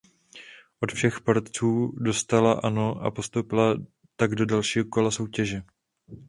Od všech porotců dostala ano a postoupila tak do dalšího kola soutěže.